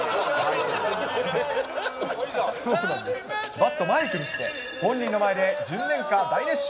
バットをマイクにして、本人の前で純恋歌を大熱唱。